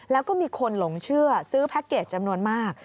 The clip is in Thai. แล้วก็มีคนหลงเชื่อซื้อแพ็คเกจจำนวนมาก